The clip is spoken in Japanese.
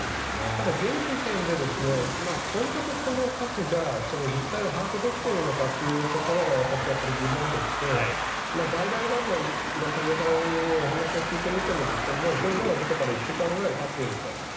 ただ、現時点で本当にこの数が実態を把握できているのかというところが私は疑問でして外来などの患者さんにお話を聞いてみてももう症状が出てから１週間ぐらいたっていると。